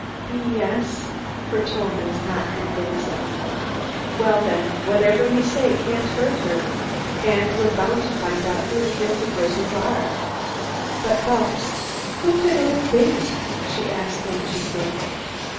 "Ye es." Her tone was not convincing. "Well, then, whatever we say can't hurt her. And we're bound to find out who the guilty persons are." "But, Bupps, who could it have been?" she asked anxiously.